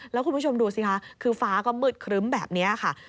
แล้วคุณผู้ชมดูสิคะคือฟ้าก็มืดครึ้มแบบนี้ค่ะ